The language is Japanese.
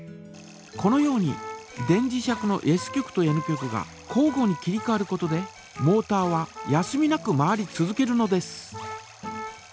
このように電磁石のＳ極とＮ極が交ごに切りかわることでモータは休みなく回り続けるのです。